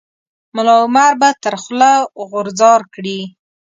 ملا عمر به تر خوله غورځار کړي.